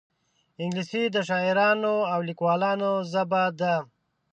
انګلیسي د شاعرانو او لیکوالانو ژبه ده